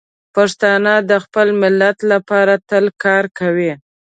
پښتانه د خپل ملت لپاره تل کار کوي.